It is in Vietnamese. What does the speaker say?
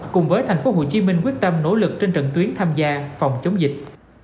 cùng với tp hcm quyết tâm nỗ lực trên trận tuyến tham gia phòng chống dịch